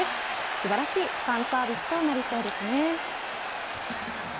素晴らしいファンサービスとなりそうですね。